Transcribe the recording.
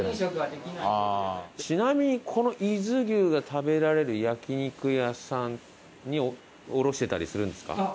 ちなみにこの伊豆牛が食べられる焼肉屋さんに卸してたりするんですか？